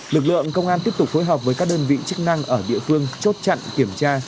lực lượng công an tiếp tục phối hợp với các đơn vị chức năng ở địa phương chốt chặn kiểm tra